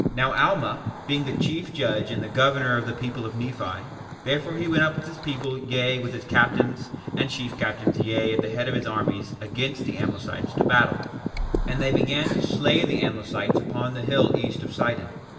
2:16 Now Alma, being the chief judge and the governor of the people of Nephi, therefore he went up with his people, yea, with his captains, and chief captains, yea, at the head of his armies, against the Amlicites to battle. 2:17 And they began to slay the Amlicites upon the hill east of Sidon.